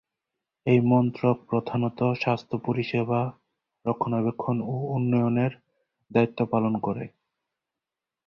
এই মন্ত্রক প্রধানত স্বাস্থ্য পরিষেবা রক্ষণাবেক্ষণ ও উন্নয়নের দায়িত্ব পালন করে।